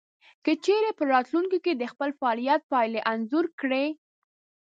که چېرې په راتلونکې کې د خپل فعاليت پايلې انځور کړئ.